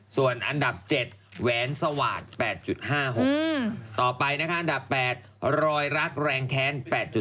ส่วนอันดับ๗แหวนสวาสตร์๘๕๖ต่อไปนะคะอันดับ๘รอยรักแรงแค้น๘๐